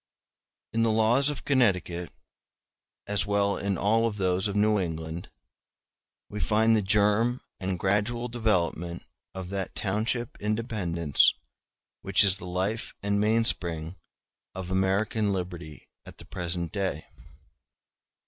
] In the laws of Connecticut, as well as in all those of New England, we find the germ and gradual development of that township independence which is the life and mainspring of American liberty at the present day.